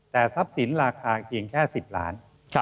แต่ทรัพย์สินราคาเพียงแค่๑๐ล้าน